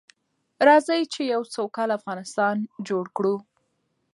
راځئ چې يو سوکاله افغانستان جوړ کړو.